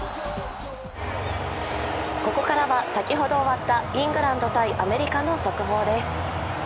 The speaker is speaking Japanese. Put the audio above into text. ここからは先ほど終わったイングランド×アメリカの速報です。